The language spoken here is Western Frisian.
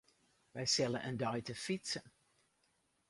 Wy sille in dei te fytsen.